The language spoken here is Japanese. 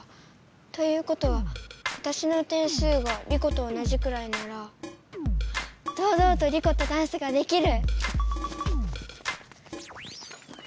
ということはわたしの点数がリコと同じくらいならどうどうとリコとダンスができる！